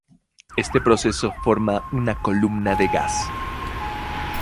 Este proceso forma una columna de gas.